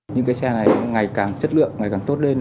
những cái xe này ngày càng chất lượng ngày càng tốt lên